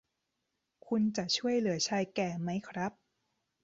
คุณจะช่วยเหลือชายแก่มั้ยครับ